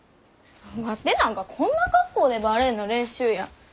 ワテなんかこんな格好でバレエの練習や。